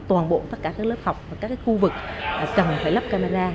toàn bộ tất cả các lớp học và các khu vực cần phải lắp camera